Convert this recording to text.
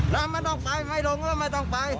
แล้วไม่ต้องไปไม่ต้องไป